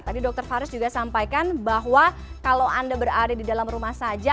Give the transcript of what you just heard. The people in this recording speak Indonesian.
tadi dokter faris juga sampaikan bahwa kalau anda berada di dalam rumah saja